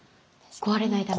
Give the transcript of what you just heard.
壊れないために。